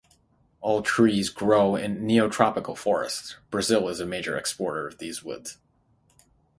All trees grow in neotropical forests; Brazil is a major exporter of these woods.